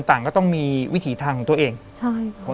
แต่ขอให้เรียนจบปริญญาตรีก่อน